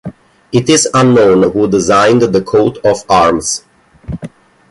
It is unknown who designed the coat of arms.